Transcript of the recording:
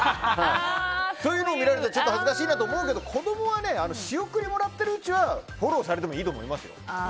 そういうのを見られたら恥ずかしいなと思うけど子供は仕送りもらっているうちはフォローされてもいいと思いますよ。